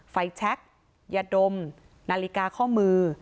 แช็คยาดมนาฬิกาข้อมือ